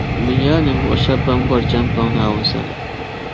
bɛ nyɛla ninvuɣu shɛba ban bɔri chεmpaŋ Naawuni sani